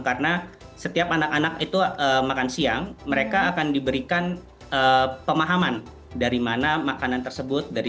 karena setiap anak anak itu makan siang mereka akan diberikan pemahaman dari mana makanan tersebut